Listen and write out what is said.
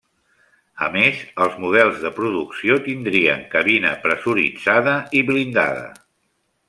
A més, els models de producció tindrien cabina pressuritzada i blindada.